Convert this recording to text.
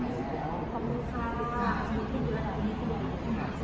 เพราะตอนนี้ถึงแค่นี้แล้วใช่ไหม